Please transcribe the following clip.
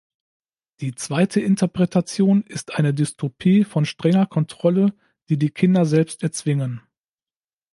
Die zweite Interpretation ist eine Dystopie von strenger Kontrolle, die die Kinder selbst erzwingen.